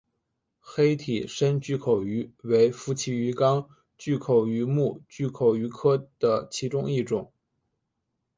黑体深巨口鱼为辐鳍鱼纲巨口鱼目巨口鱼科的其中一种。